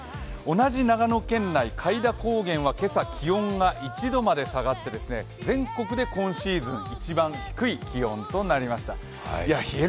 同じ長野県内、開田高原は今朝気温が１度まで下がって、全国で今シーズン一番低い気温となりました。